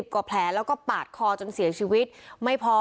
กว่าแผลแล้วก็ปาดคอจนเสียชีวิตไม่พอ